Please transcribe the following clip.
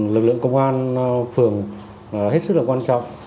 lực lượng công an phường hết sức quan trọng